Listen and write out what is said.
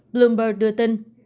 bloomberg đưa tin